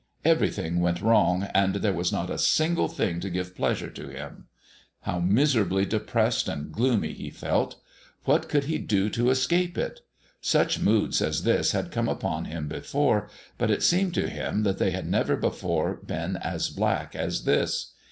Everything went wrong, and there was not a single thing to give pleasure to him. How miserably depressed and gloomy he felt. What could he do to escape it? Such moods as this had come upon him before, but it seemed to him that they had never before been as black as this.